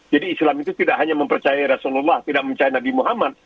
jadi islam itu tidak hanya mempercaya rasulullah tidak mempercaya nabi muhammad